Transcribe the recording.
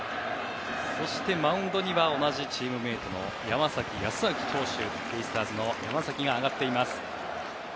そして、マウンドには同じチームメートの山崎康晃投手ベイスターズの山崎が上がっています。